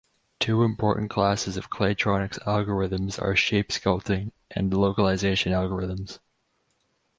Two important classes of claytronics algorithms are shape sculpting and localization algorithms.